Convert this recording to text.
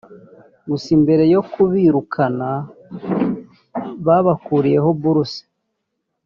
Gusa mbere yo kubirukana babakuriyeho bourse